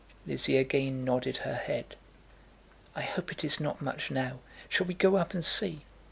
Lizzie again nodded her head. "I hope it is not much now. Shall we go up and see?"